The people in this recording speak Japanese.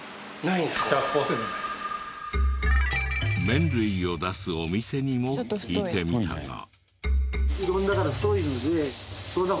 麺類を出すお店にも聞いてみたが。